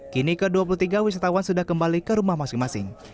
kini ke dua puluh tiga wisatawan sudah kembali ke rumah masing masing